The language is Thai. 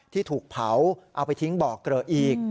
ที่ถูกเผาเอาไปทิ้งบ่อเกลอะอีก